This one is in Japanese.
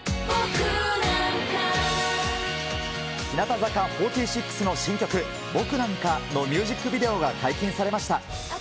日向坂４６の新曲、僕なんかのミュージックビデオが解禁されました。